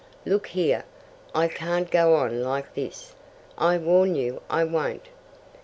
"Look here, I can't go on like this. I warn you I won't.